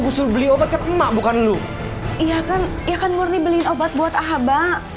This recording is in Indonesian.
gusur beli obat kan emak bukan lu iya kan ya kan murni beli obat buat ahaba